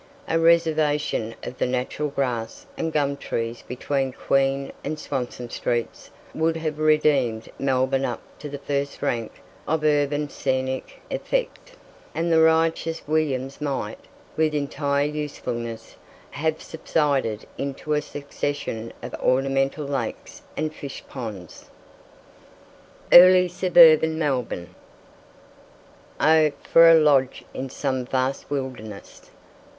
A reservation of the natural grass and gum trees between Queen and Swanston streets would have redeemed Melbourne up to the first rank of urban scenic effect, and the riotous Williams might, with entire usefulness, have subsided into a succession of ornamental lakes and fish ponds. EARLY SUBURBAN MELBOURNE. "Oh, for a lodge in some vast wilderness."